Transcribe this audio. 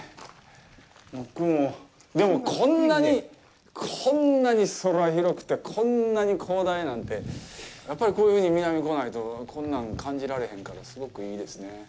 でも、こんなに空広くてこんなに広大なんて、やっぱりこういうふうに南に来ないとこんなん感じられへんからすごくいいですね。